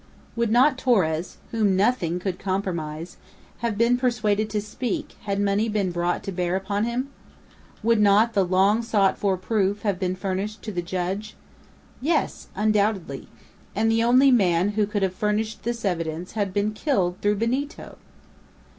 Would not Torres, whom nothing could compromise, have been persuaded to speak, had money been brought to bear upon him? Would not the long sought for proof have been furnished to the judge? Yes, undoubtedly! And the only man who could have furnished this evidence had been killed through Benito!